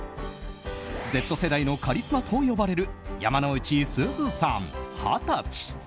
Ｚ世代のカリスマと呼ばれる山之内すずさん、二十歳。